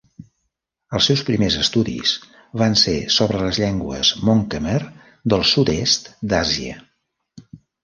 Els seus primers estudis van ser sobre les llengües Mon-Khmer del sud-est d'Àsia.